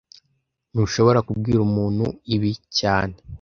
Ntushobora kubwira umuntu ibi cyane